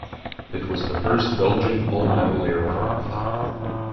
It was the first Belgian all-metal aircraft.